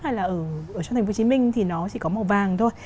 hay là ở trong thành phố hồ chí minh thì nó chỉ có màu vàng thôi